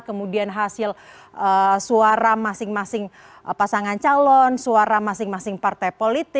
kemudian hasil suara masing masing pasangan calon suara masing masing partai politik